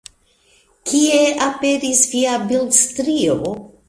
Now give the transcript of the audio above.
Kie aperis via bildstrio?